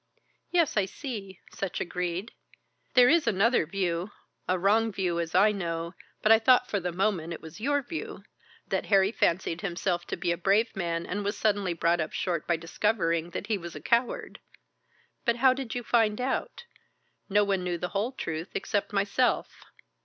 "Yes, I see," Sutch agreed. "There is another view, a wrong view as I know, but I thought for the moment it was your view that Harry fancied himself to be a brave man and was suddenly brought up short by discovering that he was a coward. But how did you find out? No one knew the whole truth except myself."